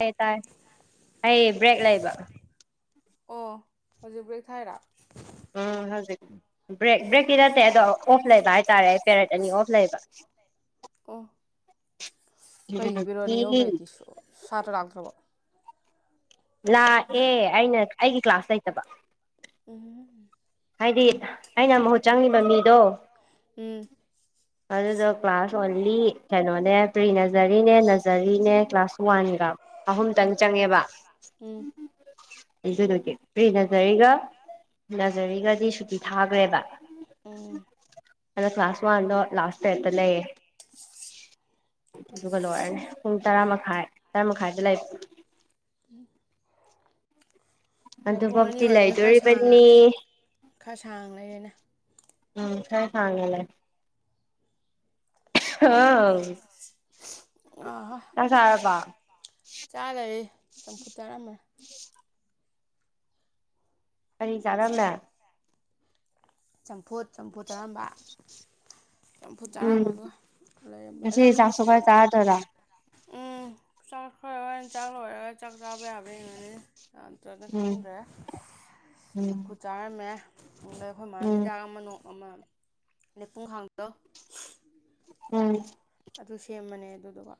ꯌꯦ ꯇꯥꯏ ꯑꯩ ꯕ꯭ꯔꯦꯛ ꯂꯩꯕ ꯑꯣ ꯍꯧꯖꯤꯛ ꯕ꯭ꯔꯦꯛ ꯊꯥꯏꯔꯣ ꯎꯝ ꯍꯧꯖꯤꯛ ꯕ꯭ꯔꯦꯛ ꯕ꯭ꯔꯦꯛꯇꯤ ꯅꯠꯇꯦ ꯑꯗꯣ ꯑꯣꯞ ꯂꯩꯕ ꯍꯥꯏꯇꯥꯔꯦ ꯄꯦꯔꯠ ꯑꯅꯤ ꯑꯣꯐ ꯂꯩꯕ [inaudible] ꯀꯩꯒꯤ ꯄꯤꯔꯣꯠ ꯑꯅꯤ ꯑꯣꯞ ꯑꯗꯨꯗꯒꯤ ꯂꯩꯗꯤꯁꯨ ꯁꯥꯇ꯭ꯔ ꯂꯥꯛꯇ꯭ꯔꯕꯣ ꯂꯥꯛꯑꯦ ꯑꯩꯅ ꯑꯩꯒꯤ ꯀ꯭ꯂꯥꯁ ꯂꯩꯇꯕ ꯎꯝ ꯍꯥꯏꯗꯤ ꯑꯩꯅ ꯃꯍꯨꯠ ꯆꯪꯉꯤꯕ ꯃꯤꯗꯣ ꯎꯝ ꯑꯗꯨꯗꯣ ꯀ꯭ꯂꯥꯁ ꯑꯣꯟꯂꯤ ꯀꯩꯅꯣꯅꯦ ꯄ꯭ꯔꯤ ꯅꯖꯔꯤꯅꯦ ꯅꯥ ꯖꯔꯤꯅꯦ ꯀ꯭ꯂꯥꯁ ꯋꯥꯟꯒ ꯑꯍꯨꯝꯇꯪ ꯆꯪꯉꯦꯕ ꯎꯝ ꯑꯗꯨꯗꯨꯒꯤ ꯄ꯭ꯔꯤ ꯅꯖꯔꯤꯒ ꯅꯖꯔꯤꯒꯗꯤ ꯁꯨꯇꯤ ꯊꯥꯒ꯭ꯔꯦꯕ ꯎꯝ ꯑꯗꯣ ꯀ꯭ꯂꯥꯁ ꯋꯥꯟꯗꯣ ꯂꯥꯁ ꯄꯤꯔꯠꯇ ꯂꯩ ꯑꯗꯨꯒ ꯂꯣꯏꯔꯅꯤ ꯄꯨꯡ ꯇꯔꯥꯃꯈꯥꯏ ꯇꯔꯥꯃꯈꯥꯏꯗ ꯂꯩ [inaudible] ꯑꯗ ꯄꯨꯡ ꯑꯗꯨꯕꯨꯛꯇꯤ ꯂꯩꯗꯣꯔꯤꯕꯅꯤ ꯈ ꯁꯥꯡ ꯂꯩꯔꯦꯅꯦ ꯎꯝ ꯈꯔ ꯁꯥꯡꯅ ꯂꯩ [unintelligible] [unintelligible] ꯆꯥꯛ ꯆꯥꯔꯕꯣ ꯆꯥꯗꯔꯤ ꯆꯝꯐꯨꯠ ꯆꯥꯔꯝꯕꯅꯦ ꯀꯔꯤ ꯆꯥꯔꯝꯃꯦ ꯆꯝꯐꯨꯠ ꯆꯝꯐꯨꯠ ꯆꯔꯝꯕ ꯆꯝꯐꯨꯠ ꯎꯝ ꯆꯥꯔꯝꯃꯒ ꯂꯩꯔꯝꯕ ꯉꯁꯤ ꯑꯗꯨꯝ ꯆꯥꯛꯁꯨ ꯈꯔ ꯐꯣꯟ ꯆꯥꯔꯗꯣꯏꯔꯥ ꯎꯝ ꯆꯥꯛ ꯈꯔ ꯍꯣꯔꯦꯟ ꯆꯥꯛ ꯂꯣꯏꯔꯒ ꯆꯥꯛ ꯆꯕꯥ ꯌꯥꯕ꯭ꯔ ꯌꯦꯡꯉꯅꯤ ꯅꯠꯇ꯭ꯔꯒꯅ ꯎꯝ ꯈꯪꯗ꯭ꯔꯦ ꯎꯝ ꯆꯝꯐꯨꯠ ꯆꯥꯔꯝꯃꯦ ꯑꯩꯈꯣꯏ ꯃꯥ ꯎꯝ ꯍꯤꯗꯥꯛ ꯑꯃ ꯅꯣꯛ ꯑꯃ ꯂꯤꯄꯨꯡ ꯈꯥꯡꯗꯣ ꯎꯝ ꯑꯗꯨ ꯁꯦꯝꯃꯅꯦ ꯑꯗꯨꯗꯨꯒ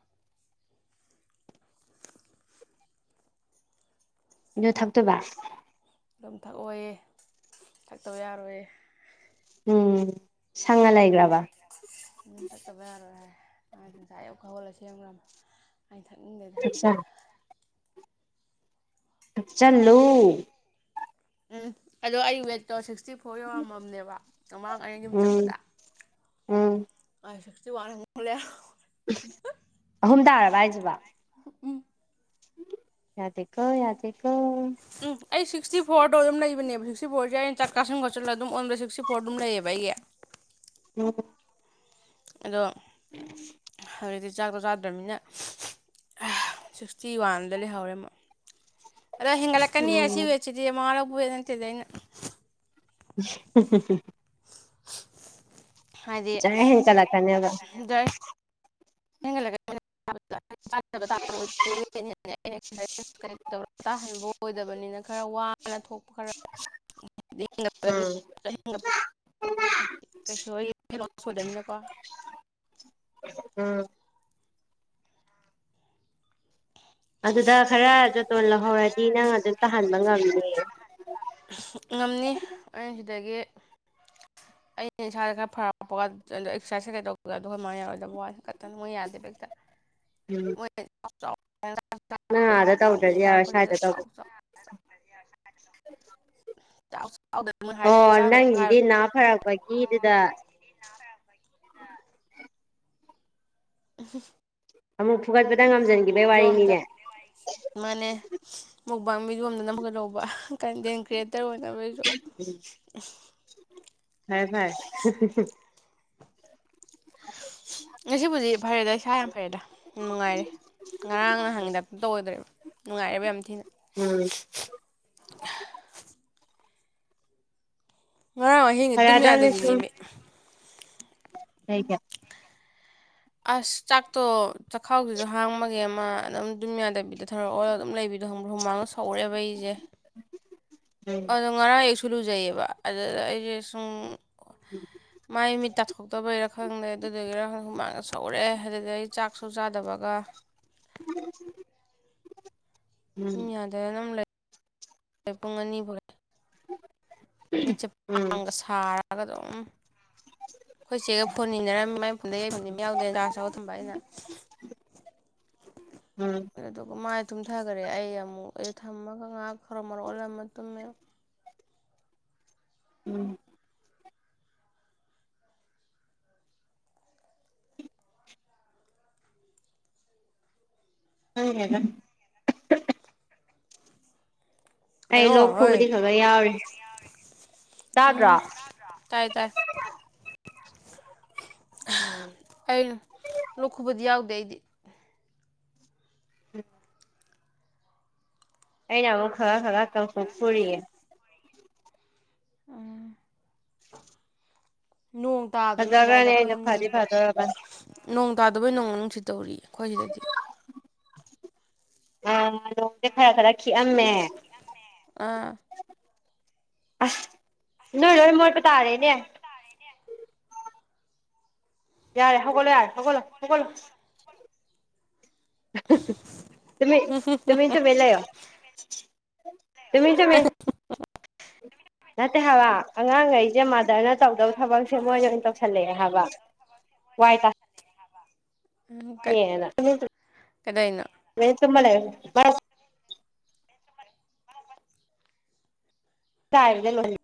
ꯑꯗꯨ ꯊꯛꯇꯨꯕ ꯑꯗꯨꯝ ꯊꯛꯑꯣꯌꯦ ꯊꯛꯇꯕ ꯌꯥꯔꯣꯏꯌꯦ ꯎꯝ ꯁꯪꯉ ꯂꯩꯒ꯭ꯔꯕ ꯎꯝ ꯊꯛꯇꯕ ꯌꯥꯔꯣꯏ ꯍꯥꯏ ꯃꯥ ꯉꯁꯥꯏ ꯑꯌꯨꯛ ꯍꯧꯒꯠꯂꯒ ꯁꯦꯝꯒ꯭ꯔꯕꯅꯤ ꯑꯩꯅ ꯊꯛꯅꯤꯡꯗꯦꯗꯤ ꯍꯥꯏꯕ ꯊꯛꯆꯜꯂꯨ ꯎꯝ ꯑꯗꯣ ꯑꯩ ꯋꯦꯠꯇꯣ ꯁꯤꯛꯁꯇꯤ ꯐꯣꯔ ꯌꯧꯔꯃꯝꯅꯦꯕ ꯃꯃꯥꯡ ꯑꯩꯅ ꯌꯨꯝ ꯎꯝ ꯆꯠꯄꯗ ꯎꯝ ꯑ ꯁꯤꯛꯁꯇꯤ ꯋꯥꯟ [unintelligible] ꯑꯍꯨꯝ ꯇꯥꯔꯕ ꯍꯥꯏꯁꯤꯕꯣ ꯌꯥꯗꯦ ꯀꯣ ꯌꯥꯗꯦ ꯀꯣ ꯎꯝ ꯑꯩ ꯁꯤꯛꯁꯇꯤ ꯐꯣꯔꯗꯣ ꯑꯗꯨꯝ ꯂꯩꯕꯅꯦꯕ ꯁꯤꯛꯁꯇꯤ ꯐꯣꯔꯁꯦ ꯑꯩꯅ ꯆꯥꯛꯆꯜꯁꯤꯟ ꯈꯣꯠꯆꯜꯂ ꯑꯗꯨꯝ ꯑꯣꯟꯕ ꯁꯤꯛꯁꯇꯤ ꯐꯣꯔ ꯑꯗꯨꯝ ꯂꯩꯌꯦꯕ ꯑꯩꯒꯤ ꯎꯝ ꯑꯗꯣ [unintelligible] ꯍꯧꯖꯤꯛꯇꯤ ꯆꯥꯛꯇꯣ ꯆꯥꯗ꯭ꯔꯝꯅꯤꯅ ꯁꯤꯛꯁꯇꯤ ꯋꯥꯟꯗ ꯂꯩꯍꯧꯔꯦ ꯑꯃꯣꯛ ꯑꯗꯣ ꯍꯦꯟꯒꯠꯂ ꯀꯅꯤ ꯑꯁꯤ ꯎꯝ ꯋꯦꯠꯁꯤꯗꯤ ꯃꯋꯥ ꯂꯧꯕꯤꯕꯖꯥꯠ ꯅꯇꯦꯗ ꯑꯩꯅ [unintelligible] ꯍꯥꯢꯗꯤ ꯖꯔ ꯍꯦꯟꯀꯠꯂꯛꯀꯅꯦꯕ [unintelligible] [inaudible] ꯍꯦꯟꯒꯠꯂꯛꯀꯅꯤ [unintelligible] [inaudible] ꯇꯥꯍꯟꯕ ꯑꯣꯏꯗꯕꯅꯤꯅ ꯈꯔ ꯋꯥꯅ ꯊꯣꯛ ꯈꯔ ꯎꯝ [unintelligible] [inaudible] ꯀꯩꯁꯨ ꯑꯩꯒꯤ ꯁꯨꯗꯝꯅꯤꯅꯀꯣ ꯎꯝ ꯑꯗꯨꯗ ꯈꯔ ꯖꯨꯇꯣꯟ ꯂꯧꯍꯧꯔꯗꯤ ꯅꯪ ꯑꯗꯨꯝ ꯇꯥꯍꯟꯕ ꯉꯝꯅꯦ ꯉꯝꯅꯤ ꯑꯩ ꯁꯤꯗꯒꯤ ꯑꯩ ꯏꯁꯥꯥꯁꯤ ꯈꯔ ꯐꯔꯛꯄ [unintelligible] ꯑꯦꯛꯁꯔꯁꯥꯏꯁ ꯀꯩ ꯀꯩ ꯇꯧꯕꯗ ꯈꯣꯃꯥꯍꯣꯢꯅ ꯌꯥꯔꯣꯏꯗꯧꯕ ꯋꯥ ꯈꯛꯇꯪ ꯃꯣꯏꯅ ꯌꯥꯗꯦꯕ ꯍꯦꯛꯇ ꯎꯝ ꯅꯪ ꯑꯥꯗ ꯇꯧꯗ꯭ꯔꯗꯤ [unintelligible] ꯌꯥꯔꯣꯏ ꯁ꯭ꯋꯥꯏꯗ ꯇꯧꯕ [inaudible] [unintelligible] ꯆꯥꯎ ꯆꯥꯎꯗꯅꯤ ꯃꯣꯢ ꯍꯥꯏꯗꯣꯢꯁꯤ ꯆꯥꯒꯅꯨꯗꯤ ꯍꯥꯢꯔꯣꯢ ꯈꯥ ꯐꯔꯛꯄꯒꯤꯗꯨꯗ [inaudible] [unintelligible] ꯑꯃꯨꯛ ꯐꯨꯒꯠꯄꯗ ꯉꯝꯖ [unintelligible] ꯌꯣꯝꯗ ꯃꯥꯅꯦ ꯃꯨꯛꯕꯥꯡ ꯚꯤꯗꯤꯌꯣ ꯅꯝꯃꯛꯀꯗꯧꯕ ꯀꯟꯗꯦꯟ ꯀ꯭ꯔꯤꯌꯦꯠ ꯇꯔ ꯑꯣꯅꯕ ꯑꯩꯁꯨ ꯐꯔꯦ ꯐꯔꯦ [unintelligible] ꯉꯁꯤꯕꯨꯗꯤ ꯐꯔꯦꯗ ꯏꯁꯥ ꯌꯥꯝ ꯐꯔꯦꯗ ꯌꯥꯝ ꯅꯨꯡꯉꯥꯏꯔꯦ ꯉꯔꯥꯡ ꯅꯍꯥꯟꯉꯤ ꯇꯥꯢꯞꯇ ꯇꯧ ꯑꯣꯢꯗ꯭ꯔꯦꯕ ꯅꯨꯡꯉꯥꯏꯔꯦꯕ ꯌꯥꯝ ꯊꯤꯅ ꯎꯝ ꯉꯔꯥꯡ ꯑꯍꯤꯡꯗꯤ ꯇꯨꯝ ꯌꯥꯗꯕꯤꯅꯦꯝꯃꯤ ꯀꯩꯒꯤ ꯑꯁ ꯆꯥꯛꯇꯣ ꯆꯥꯛꯈꯥꯎꯁꯤꯁꯨ ꯍꯥꯡꯕꯒꯤ ꯑꯃ ꯑꯗꯨꯝ ꯇꯨꯝ ꯌꯥꯗꯕꯤꯗꯨ ꯊꯧꯔꯣ ꯑꯣꯂ ꯑꯗꯨꯝ ꯂꯩꯕꯤꯗꯣ ꯈꯪꯕ꯭ꯔꯥ ꯍꯨꯃꯥꯡꯒ ꯁꯧꯔꯦꯕ ꯑꯩꯁꯦ ꯎꯝ ꯗ ꯉꯔꯥꯡ ꯑꯌꯨꯛꯁꯨ ꯂꯨꯖꯩꯌꯦꯕ ꯑꯗꯨꯗ ꯑꯩꯁꯦ ꯁꯨꯝ ꯃꯥꯏ ꯃꯤꯠ ꯇꯥꯊꯣꯛꯇꯕꯩꯔꯥ ꯈꯪꯗꯦ ꯑꯗꯨꯗꯨꯒꯤꯔ ꯈꯪꯗꯦ ꯍꯨꯃꯥꯡꯅ ꯁꯧꯔꯛꯑꯦ ꯑꯗꯨꯗ ꯑꯩ ꯆꯥꯛꯁꯨ ꯆꯥꯗꯕꯒ [unintelligible] ꯄꯨꯡ ꯌꯥꯗ꯭ꯔꯦ ꯑꯗꯨꯝ ꯂꯩ ꯄꯨꯡ ꯑꯅꯤ ꯕꯧ ꯂꯩꯔꯦ [inaudible] ꯃꯤꯠꯁꯦ ꯎꯝ ꯎꯝ ꯄꯥꯡꯒ ꯁꯥꯔꯒ ꯑꯗꯨꯝ ꯑꯈꯣꯏ ꯆꯦꯒ ꯐꯣꯟ ꯅꯤꯅꯔꯝꯃꯤ ꯃꯥꯏ ꯐꯣꯟꯗ ꯌꯦꯡꯕ ꯃꯩ ꯌꯥꯎꯗꯦ ꯆꯥꯔꯖ ꯇꯧꯔ ꯊꯝꯕ ꯑꯩꯅ ꯎꯝ ꯑꯗꯨꯒ ꯃꯥꯏ ꯊꯨꯝꯊꯈꯔꯦ ꯑꯩ ꯑꯃꯨꯛ ꯑꯩ ꯊꯝꯃꯒ ꯉꯥꯏꯍꯥꯛ ꯊꯔꯣ ꯃꯔꫭ ꯑꯣꯜꯂ ꯃꯇꯨꯝꯃꯦ ꯎꯝ [unintelligible] ꯑꯩ ꯂꯣꯛ ꯈꯩꯔꫭ ꯍꯣꯏ ꯈꯨꯕꯗꯤ ꯈꯒ ꯌꯥꯎꯔꯤ ꯇꯥꯗ꯭ꯔꯣ ꯎꯝ ꯇꯥꯏ ꯇꯥꯏ ꯎꯝ ꯑꯩꯅ ꯂꫭꯛꯈꯨꯕꯗꯤ ꯌꯥꯎꯗꯦ ꯑꯩꯗꯤ [unintelligible] ꯑꯩꯅ ꯑꯃꯨꯛ ꯈꯔ ꯈꯔ ꯀꯥꯡꯈꯨ ꯈꯨꯔꯤꯌꯦ ꯎꯝ ꯅꯣꯡ ꯇꯥꯗ꯭ꯔꫭ ꯅꫭꯏ ꯑꯗꯨꯗꯥꯋꯥꯏꯗ ꯐꯖꯈ꯭ꯔꯅꯤ ꯑꯩꯗꯣ ꯑꯩꯈꯣꯏ ꯅꯣꯡ ꯐꯗꯤ ꯐꯗꯣꯔꯕꯅꯤ ꯅꯣꯡ ꯇꯥꯗꯕꯩ ꯅꯣꯡ ꯃꯅꯨꯡ ꯅꯨꯡꯁꯤ ꯇꯧꯔꯤ ꯑꯩꯈꯣꯏ ꯁꯤꯗꯗꯤ ꯑ ꯅꯣꯡꯁꯦ ꯈꯔ ꯈꯔ ꯈꯤꯛꯑꯝꯃꯦ ꯑꯥ ꯑꯁ ꯅꯣꯏ ꯂꯣꯏ ꯃꯣꯠꯄ ꯇꯥꯔꯦꯅꯦ ꯌꯥꯔꯦ ꯍꯧꯒꯠꯂꯣ ꯌꯥꯔꯦ ꯍꯧꯒꯠꯂꯣ ꯍꯧꯒꯠꯂꫭ ꯇꯨꯃꯤ ꯇꯨꯝꯃꯤꯟꯇꯨꯃꯤꯟ ꯂꯩꯌꯣ ꯇꯨꯃꯤꯟ ꯇꯨꯃꯤꯟ ꯅꯠꯇꯦ ꯍꯥꯏꯕ ꯑꯉꯥꯡꯈꯩꯁꯦ ꯃꯥꯗꯔꯅ ꯇꯧꯗꯕ ꯊꯕꯛꯁꯦ ꯃꯣꯏ ꯑꯣꯏꯅ ꯇꯧꯁꯜꯂꯛꯑꯦ ꯍꯥꯏꯕ ꯋꯥꯏꯗꯥ ꯐꯩꯌ‌ꯦꯅ [unintelligible] ꯀꯩꯗꯧꯅꯣ ꯦꯁꯕ [unintelligible] ꯂꯩꯦ [unintelligible] ꯀꯥꯏ ꯂꯩ [unintelligible] ꯂꯣꯏ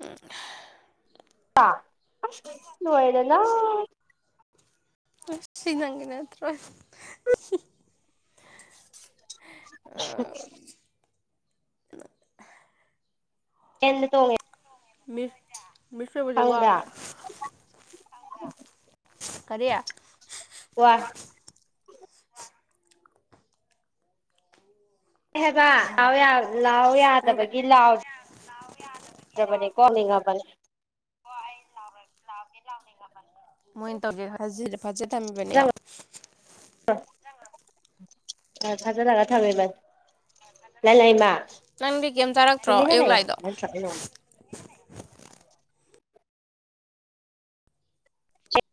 ꯑ [unintelligible] ꯑꯁ ꯂꫭꯏꯔ‌ꯦꯗꯅ ꯁꯤ ꯅꯪꯒꯤ ꯅꯠꯇ꯭ꯔꯣ ꯎ [unintelligible] ꯑ‌ꯦꯝꯗ ꯇꯣꯡ [unintelligible] ꯃꯤꯁ ꯃꯤꯁ ꯑꯣꯏꯕꯁꯦ ꯈꯪꯕ꯭ꯔꯥ ꯋꯥꯕ꯭ꯔꯥ ꯀꯔꯤ ꯋꯥꯏ ꯑꯦ ꯍꯥꯏꯦꯕ ꯂꯥꯎ ꯂꯥꯎ ꯅꯪ ꯌꯥꯗꯕꯒꯤ ꯂꯥꯎ ꯅꯤ [unintelligible] ꯀꯣꯂꯤꯒꯕꯅꯤ [unintelligible] ꯃꯣꯏꯅ ꯇꯧꯒꯦ ꯐꯖ ꯊꯝꯃꯤꯕꯅꯤꯌꫭ ꯑꯥ [unintelligible] ꯑ ꯐꯥꯖꯤꯜꯂꯒ ꯊꯝꯃꯦꯕ ꯂꯥꯏ ꯂꯏꯃ ꯅꯪꯗꯤ ꯀꯩꯝ ꯆꯥꯔꯛꯇ꯭ꯔꯣ ꯇꯨꯃꯤꯟꯅ ꯑꯌꯨꯛ ꯂꯩꯌꫭ ꯂꯥꯏꯗꯣ ꯅꯠꯇꯔꯥꯗꯤ [unintelligible]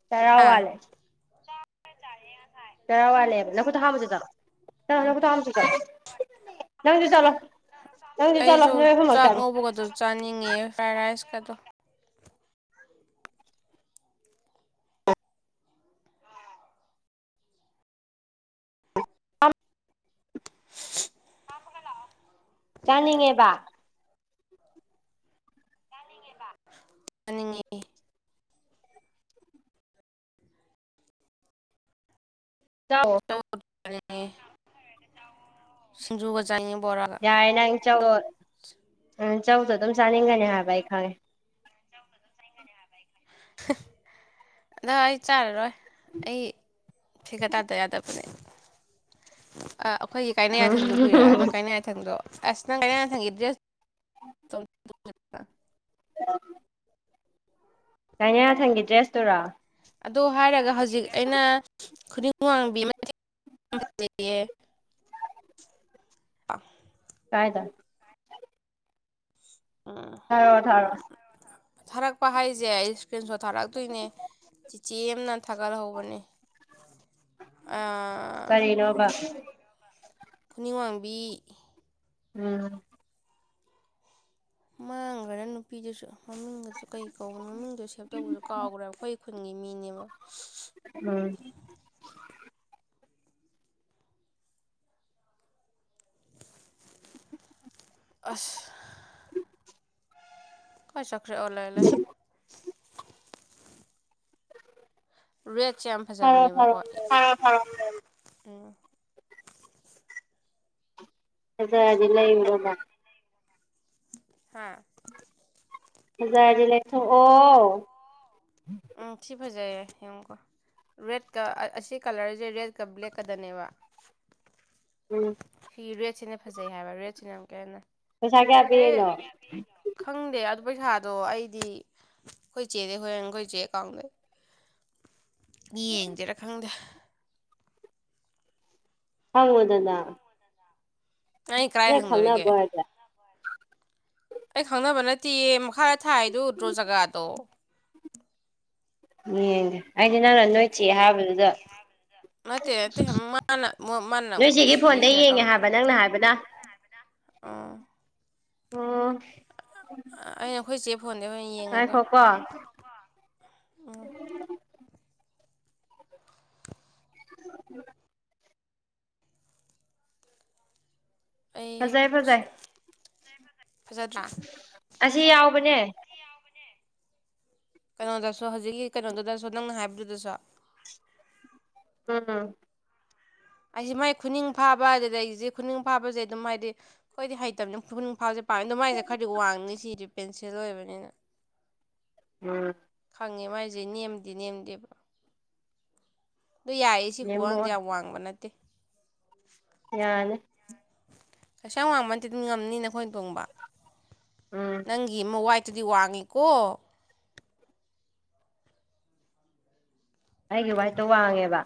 ꯆꯔꯥ ꯋꯥꯂꯤ ꯆꯥꯏ ꯌꯥꯅꯥꯏ [unintelligible] ꯆꯔꯥ ꯋꯥꯠꯂꯦꯕ ꯅꯪꯈꯨꯠꯇꫭ ꯍꯥꯝꯃꯨꯆꫭ ꯆꯠꯂꫭ ꯆꯠꯂꫭ ꯅꯈꯨꯠꯇꫭ ꯍꯥꯝꯃꯨꯆꫭ ꯆꯠꯂꯣ ꯅꯪꯖꯨ ꯆꯠꯂꯣ ꯅꯪꯖꯨ ꯆꯠꯂꯣ ꯑꯩꯁꯨ ꯅꫭꯏ ꯑꯍꯨꯝꯃꯛ ꯆꯥꯛ ꯆꯠꯂꫭ ꯉꯧꯕꯒꯗꯣ ꯆꯥꯅꯤꯡꯉꯦ ꯐ꯭ꯔꯥꯏ ꯔꯥꯏꯁꯀꯗꯣ ꯆꯥꯅꯤꯡꯉꯦꯕ ꯆꯅꯤꯡꯉ‌ꯦꯕ ꯆꯅꯤꯡꯉꯤ [unintelligible] ꯑ [inaudible] ꯁꯤꯟꯖꯨꯒ ꯆꯥꯅꯤꯡꯉꯦ ꯕꯣꯔꯥ ꯌꯥꯔꯦ ꯅꯪ ꯆꯧꯗꯣ ꯆꯧꯗꯣ ꯑꯗꯨꯝ ꯆꯥꯅꯤꯡꯒꯅꯤ ꯍꯥꯏꯕ ꯑꯩ ꯈꯪꯉꯦ ꯅꯪ ꯑꯩ ꯆꯥꯔꯔꯣꯏ ꯑꯩ ꯐꯤꯒ꯭ꯔꯇꯥꯗ ꯌꯥꯗꯕꯅꯦ ꯑ ꯑꯩꯈꯣꯏꯒꯤ ꯀꯥꯏꯅꯌꯥꯊꯪꯁꯨ ꯎꯝ ꯀꯥꯏꯔꯛꯑꯔꫭꯏ ꯀꯥꯏꯅꯌꯥ ꯊꯪꯗꯣ ꯑꯁ ꯅꯪ ꯀꯥꯏꯅꯌꯥꯊꯪꯒꯤ ꯗ꯭ꯔꯦꯁ [inaudible] [inaudible] ꯀꯥꯏꯅꯌꯥꯊꯪꯒꯤ ꯗ꯭ꯔꯦꯁꯇꯨꯔꯣ ꯑꯗꯣ ꯍꯥꯏꯔꯒ ꯍꯧꯖꯤꯛ ꯑꯩꯅ ꯈꯨꯅꯤꯡ ꯋꯥꯡꯕꯤ [unintelligible] ꯐꯖꯩꯌꯦ [inaudible] ꯀꯥꯏꯗꯥ ꯑꯃ ꯊꯥꯔꯛꯑꫭ ꯊꯥꯔꯛꯑꫭ ꯊꯥꯔꯛꯄ ꯍꯥꯏꯁꯦ ꯑꯩ ꯏꯁꯀ꯭ꯔꯤꯟ ꯁꯣꯠ ꯊꯥꯔꯛꯇꯣꯏꯅꯦ ꯆꯤꯆꯦꯑꯥꯝꯅ ꯊꯥꯒꯠ ꯍꯧꯕꯅꯦ ꯑ ꯀꯔꯤꯅꫭꯕ ꯈꯨꯅꯤꯡ ꯋꯥꯡꯕꯤ ꯎꯝ ꯫ ꯃꯥꯡꯈ꯭ꯔꯦ ꯅꯨꯄꯤꯗꯨꯁꯨ ꯃꯃꯤꯡꯗꯨꯁꯨ ꯀꯩ ꯀꯧꯕꯅꯣ ꯃꯃꯤꯡꯗꯨ ꯁꯦꯞ ꯇꯧꯕꯁꯨ ꯀꯥꯎꯈ꯭ꯔꯦꯕ ꯑꯩꯈꯣꯏ ꯈꯨꯟꯒꯤ ꯃꯤꯅꯦꯕ ꯎꯝ ꯫ [inaudible] ꯑꯁ ꯀꯥꯏ ꯆꯠꯈꯔꯦ ꯑꫭ ꯂꯩꯔꯦ ꯂꯩꯔꯦ [inaudible] ꯔꯦꯠꯁꯦ ꯌꯥꯝ ꯊꯥꯔꯛꯑꯣ ꯐꯖꯕꯅꯦꯕꯀꯣ ꯊꯥꯔꯛꯑꯣ ꯊꯥꯔꯛꯑꯦ ꯊꯥꯔꯛꯑꯦ ꯎꯝ ꯐꯖꯔꯗꯤ ꯂꯩꯔꫭꯗꯅ ꯍꯥꯥ꯫ ꯐꯖꯔꯗꯤ ꯂꯩꯥꯊꫭꯡꯑꫭ ꯎꯝ ꯁꯤ ꯐꯖꯩꯌꯦ ꯌꯦꯡꯑꫭꯀꫭ ꯔꯦꯠꯀ ꯑꯁꯤ ꯀꯂ꯭ꯔꯁꯦ ꯔꯦꯠꯀ ꯕ꯭ꯂꯦꯛꯀꯗꯅꯦꯕ ꯎꯝ ꯫ ꯐꯤ ꯔꯦꯠꯁꯤꯅ ꯐꯖꯩ ꯍꯥꯏꯕ ꯔꯦꯠꯁꯤꯅ ꯑꯃꯨꯛꯀ ꯍꯟꯅ ꯄꯩꯁꯥ ꯀꯌꯥ ꯑꯩ ꯄꯤꯔꯤꯅꯣ ꯈꯪꯗꯦ ꯑꯗꯨ ꯄꯩꯁꯥꯗꯣ ꯑꯩꯗꯤ ꯑꯩꯈꯣꯏ ꯆꯦꯗꯥꯒꯤ ꯍꯣꯔꯦꯟ ꯑꯩꯈꯣꯏ ꯆꯦ ꯑꯦꯀꯥꯎꯟꯗꯒꯤ ꯌꯦꯡꯁꯤꯔ ꯈꯪꯗꯦ ꯍꯪꯎꯗꯅꯥ ꯑꯩ ꯀꯗꯥꯥꯏ ꯈꯪꯅꯕ ꯍꯪꯗꯣꯔꯤꯒꯦ ꯑꯣꯏꯔꯗꯤ ꯑꯩ ꯈꯪꯅꯕ ꯅꯠꯇꯦꯌꯦ ꯃꯈꯥ ꯊꯥꯏꯗꫭ ꯎꯗ꯭ꯔꯣ ꯖꯒꯥꯗꯣ ꯌꯦꯡꯒꯦ ꯑꯩꯗꯤ ꯅꯪꯅ ꯅꯣꯏ ꯆꯦ ꯍꯥꯏꯕꯗꯨꯗ ꯅꯠꯇꯦ ꯅꯠꯇꯦ ꯃꯅꯥ ꯃꯅꯥ ꯅꯣꯏ ꯆꯦꯒꯤ ꯐꯣꯟꯗ ꯔꯤꯁꯤꯌꯔ ꯌꯦꯡꯉꯦ ꯇꯧꯔꯛꯄ ꯍꯥꯏꯕ ꯑꫭ ꯅꯪꯅ ꯍꯥꯏꯕꯅ ꯑꯣ ꯑꯩꯅ ꯑꯩꯈꯣꯏ ꯆꯦ ꯐꯣꯟꯗꯥꯏ ꯑꯣꯏꯅ ꯌꯦꯡꯉꯒ ꯉꯥꯏꯈꯣꯀꯣ [inaudible] ꯑꯩ ꯐꯖꯩ ꯐꯖꯩ [unintelligible] ꯐꯖꯗ꯭ꯔꯥ [inaudible] ꯑꯁꯤ ꯌꯥꯎꯕꯅꯦ ꯀꯩꯅꯣꯗꯁꯨ ꯍꯧꯖꯤꯛꯀꯤ ꯀꯩꯅꯣꯗꯨꯗꯁꯨ ꯅꯪꯅ ꯍꯥꯏꯕꯗꯨꯗꯁꯨ ꯑ ꯑꯩꯁꯦ ꯃꯥꯏ ꯈꯨꯅꯤꯡ ꯐꯥꯕ ꯑꯗꯨꯗ ꯑꯩꯁꯦ ꯈꯨꯅꯤꯡ ꯐꯥꯕꯁꯦ ꯑꯗꯨꯝ ꯍꯥꯏꯗꯤ ꯈ꯭ꯣꯏꯗꯤ ꯍꯩꯇꯕꯅꯤ ꯈꯨꯅꯤꯡ ꯐꯥꯕꯁꯦ ꯄ ꯑꯗꯨꯃꯥꯏꯅ ꯈꯔꯗꯤ ꯋꯥꯡꯅꯤ ꯁꯤꯗꯤ ꯄꯦꯟꯁꯤꯜ ꯑꯣꯏꯕꯅꯤꯅ ꯎꯝ ꯈꯪꯉꯦ ꯃꯥꯏꯁꯦ ꯅꯦꯝꯗꯤ ꯅꯦꯝꯗꯦꯕ ꯑꯗꯨ ꯌꯥꯌꯦ ꯁꯤ ꯅꯦꯝꯃꯣ ꯈꯨ꯭ꯋꯥꯡꯗ ꯌꯥꯝ ꯋꯥꯡꯕ ꯅꯠꯇꯦ ꯌꯥꯔꯅꯤ ꯀꯩꯁꯨꯌꯥꯝ ꯋꯥꯡꯕ ꯅꯇꯦ ꯑꯗꯨꯝ ꯉꯝꯅꯤꯅ ꯈꯣꯏꯅ ꯇꯣꯡꯕ ꯎꯝ ꯅꯪ ꯋꯥꯏꯠꯇꯨꯗꯤ ꯋꯥꯡꯉꯤꯀꯣ ꯑꯩꯒꯤ ꯋꯥꯏꯠꯇ ꯋꯥꯡꯉꯦꯕ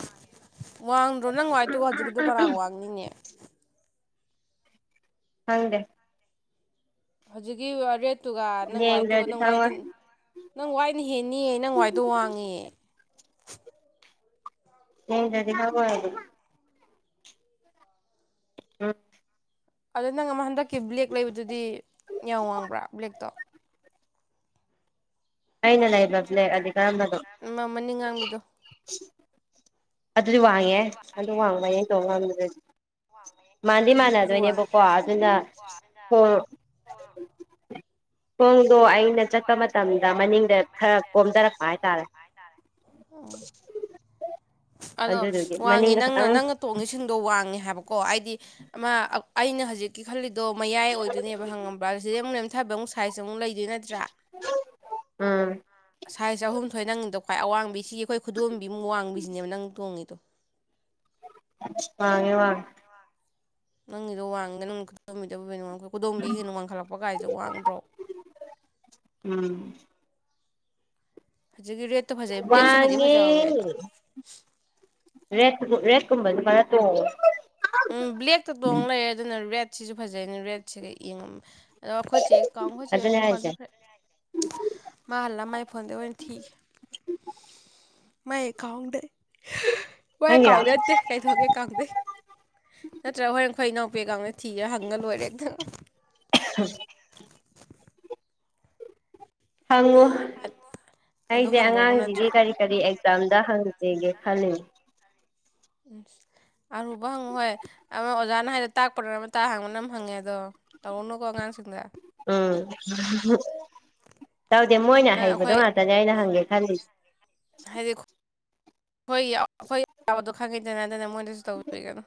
ꯋꯥꯡꯗ꯭ꯔꯣ ꯅꯪ ꯋꯥꯏꯠꯇꯒ ꯍꯧꯖꯤꯛꯀꯤꯗꯨ ꯀꯔꯥꯡ ꯋꯥꯡꯅꯤꯡꯉꯦ ꯈꯪꯗꯦ ꯍꯧꯖꯤꯛꯀꯤ ꯔꯦꯠ ꯋꯥꯠꯇꯨꯒ ꯅꯪ ꯋꯥꯏꯠꯇꯨꯒ ꯌꯦꯡꯗ꯭ꯔꯗꯤ ꯅꯪ ꯋꯥꯏꯠꯇꯨ ꯈꯪꯉꯣꯏ ꯅꯪ ꯋꯥꯏꯅ ꯍꯦꯟꯅꯤꯑꯌꯦ ꯅꯪ ꯋꯥꯏꯗꯣ ꯋꯥꯡꯉꯦ ꯌꯦꯡꯗ꯭ꯔꯗꯤ ꯈꯔ ꯐꯔꯕꯅꯦ ꯎꯥꯝ ꯑꯗ ꯅꯪ ꯑꯃ ꯍꯟꯗꯛꯀꯤ ꯕ꯭ꯂꯦꯛ ꯂꯩꯕꯗꯨꯗꯤ ꯌꯥꯝ ꯋꯥꯡꯕ꯭ꯔꯥ ꯕ꯭ꯂꯦꯛꯇꯣ ꯑꯩꯅ ꯂꯩꯕ ꯕ꯭ꯂꯦꯛ ꯑꯗꯤ ꯀꯔꯝꯕꯅꯣ ꯃ ꯃꯅꯤꯡ ꯉꯥꯡꯕꯤꯗꯣ ꯑꯗꯨꯗꯤ ꯋꯥꯡꯉꯤꯍꯦ ꯑꯗꯨ ꯋꯥꯡꯕꯩꯅꯤ ꯑꯩ ꯇꯣꯡ ꯉꯝꯗ꯭ꯔꯗꯣ ꯃꯥꯟꯗꯤ ꯎꯝ ꯑꯗꯨꯁꯨ ꯋꯥꯡ ꯃꯥꯟꯅꯗꯣꯏꯅꯦꯕꯀꯣ ꯑꯗꯨꯅ ꯍꯣ ꯈꯣꯡꯗꯣ ꯑꯩꯅ ꯆꯠꯄ ꯃꯇꯝꯗ ꯃꯅꯤꯡꯗ ꯈꯔ ꯀꯣꯝꯊꯔꯛꯄ ꯍꯥꯏꯇꯥꯔꯦ ꯎꯝ [unintelligible] ꯑꯗꯣ ꯑꯗꯨꯗꯨꯒꯤ ꯋꯥꯡꯉꯤ ꯃꯅꯤꯡꯗ ꯅꯪꯅ ꯈꯤꯇꯪ ꯅꯪꯅ ꯇꯣꯡꯉꯤꯁꯤꯡꯗꯣ ꯋꯥꯡꯉꯦ ꯍꯥꯏꯕꯀꯣ ꯍꯥꯏꯗꯤ ꯑꯃ ꯑꯩꯅ ꯍꯧꯖꯤꯛ ꯀꯤ ꯈꯜꯂꯤꯗꯣ ꯃꯌꯥꯏ ꯑꯣꯏꯗꯣꯏꯅꯦꯕ ꯍꯪꯉꯕ꯭ꯔꯥ ꯁꯤꯗꯩ ꯑꯃꯛ ꯅꯦꯝꯊꯕ ꯑꯃꯨꯛ ꯁꯥꯏꯁ ꯑꯃꯨꯛ ꯂꯩ ꯅꯠꯇ꯭ꯔꯥ ꯎꯝ ꯁꯥꯏꯁ ꯑꯍꯨꯝꯊꯣꯏ ꯅꯪꯅꯤꯗꯣ ꯈ꯭ꯋꯥꯏ ꯑꯋꯥꯡꯕꯤ ꯁꯤꯒꯤ ꯑꯩꯈꯣꯏ ꯈꯨꯗꯣꯝꯕꯤꯃꯨꯛ ꯋꯥꯡꯕꯤꯁꯤꯅꯦꯕ ꯅꯪ ꯇꯣꯡꯉꯤꯗꯣ ꯋꯥꯉꯦ ꯋꯥꯉꯦ ꯅꯪꯒꯤꯗꯣ ꯋꯥꯡꯉꯗ ꯅꯪꯅ ꯈꯨꯗꯣꯝꯕꯤꯗꯣ ꯈꯨꯗꯣꯝꯕꯤ ꯍꯦꯟꯅ ꯋꯥꯡꯈꯠꯂꯛꯄ ꯀꯥꯏꯁꯦ ꯋꯥꯡꯗ꯭ꯔꯣ ꯎꯝ ꯍꯧꯖꯤꯛꯀꯤ ꯔꯦꯠ ꯋꯥꯉꯦ ꯔꯦ ꯔꯦꯠꯀꯨꯝꯕꯁꯨ ꯈꯔ ꯇꯣꯡꯉꯣ ꯎꯝ ꯕ꯭ꯂꯦꯛꯇ ꯇꯣꯡꯉ ꯂꯩꯔꯦ ꯑꯗꯨꯅ ꯔꯦꯗꯁꯤꯁꯨ ꯐꯖꯩꯅꯤ ꯔꯦꯗꯁꯤꯒ ꯌꯦꯡꯉꯝꯃꯦ ꯑꯗꯣ ꯑꯩꯈꯣꯏꯆꯦ ꯀꯥꯡꯥꯎꯈꯣꯖꯤꯛ ꯑꯗꯨꯅꯦ ꯗꯨꯀꯥꯟ ꯍꯥꯏꯁꯦ ꯆꯈ꯭ꯔ ꯃꯥ ꯍꯜꯂꯝ ꯃꯥꯏ ꯐꯣꯟꯗ ꯑꯣꯏꯅ ꯊꯤ ꯃꯥꯏ ꯀꯥꯎꯗꯩ ꯃꯥꯏ ꯅꯪꯒꯤꯔꯣ ꯀꯥꯎꯗ ꯅꯠꯇꯦ ꯀꯩꯊꯣꯛꯀꯦ ꯀꯥꯎꯗꯩ ꯅꯠꯇ꯭ꯔꯒ ꯍꯣꯔꯦꯟꯈꯣꯏ ꯏꯅꯥꯎꯄꯤꯦꯒꯅ ꯊꯤꯔ ꯍꯪꯉ ꯂꯣꯏꯔꯦ ꯝꯛꯇꯪ [unintelligible] ꯍꯪꯉꯨ ꯑꯗꯨ ꯑꯩꯁꯦ ꯍꯪꯕꯕꯨ ꯑꯉꯥꯡꯁꯤꯒꯤ ꯅꯠꯇ꯭ꯔꯥ ꯀꯔꯤ ꯀꯔꯤ ꯑꯦꯛꯖꯥꯝꯗ ꯍꯪꯁꯝꯒꯦ ꯈꯜꯂꯤ ꯎꯝ ꯑꯔꯨꯕ ꯍꯪꯉꯨ ꯍꯣꯏ ꯑꯃ ꯑꯣꯖꯥꯅ ꯍꯥꯏꯗ ꯇꯥꯛꯄꯗꯅ ꯑꯃ ꯇꯇꯥ ꯍꯪꯕꯅ ꯑꯃ ꯍꯪꯉꯦ ꯑꯗꯣ ꯇꯧꯔꯨꯅꯨꯀꯣ ꯑꯉꯥꯡꯁꯤꯡꯗ ꯎꯝ ꯇꯧꯗꯦ ꯃꯣꯏꯅ ꯅꯪ ꯍꯩꯕꯗꯣ ꯑꯩꯈꯣꯏ ꯉꯥꯛꯇꯅꯦ ꯑꯩꯅ ꯍꯪꯒꯦ ꯈꯜꯂꯤꯁꯦ ꯍꯥꯏꯗꯤ ꯑꯩꯈꯣꯏ ꯑꯩꯈꯣꯏ ꯑꯋꯥꯕꯗꯣ ꯈꯪꯉꯦꯗꯅ ꯃꯣꯏꯗꯁꯨ ꯇꯧꯕꯤꯒꯅꯨ